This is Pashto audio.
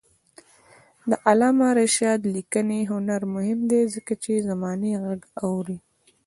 د علامه رشاد لیکنی هنر مهم دی ځکه چې زمانې غږ اوري.